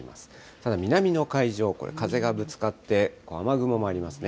ただ南の海上、これ、風がぶつかって、雨雲もありますね。